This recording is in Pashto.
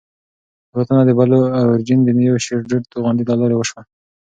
الوتنه د بلو اوریجن د نیو شیپرډ توغندي له لارې وشوه.